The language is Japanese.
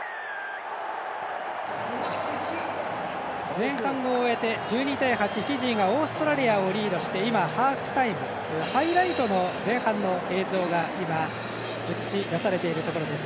前半を終えて、１２対８フィジーがオーストラリアをリードして今、ハーフタイムハイライトの前半の映像が映し出されているところです。